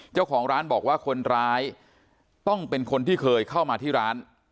เจ้าของร้านบอกว่าคนร้ายต้องเป็นคนที่เคยเข้ามาที่ร้าน